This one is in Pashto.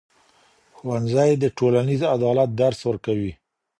ښوونځی د ټولنیز عدالت درس ورکوي.